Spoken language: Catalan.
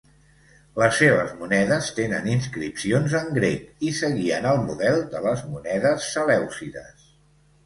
Les seves monedes tenen inscripcions en grec i seguien el model de les monedes selèucides.